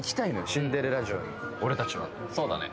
シンデレラ城に俺たちはそうだね